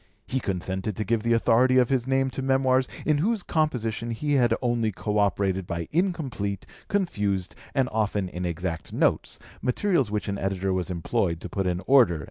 He consented to give the authority of his name to Memoirs in whose composition he had only co operated by incomplete, confused, and often inexact notes, materials which an editor was employed to put in order."